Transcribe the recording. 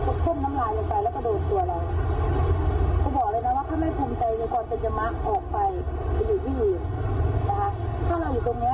นักเรียนโรงเรียนเรานี่ฉลาดนะ